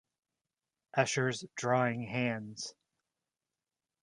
Escher's "Drawing Hands".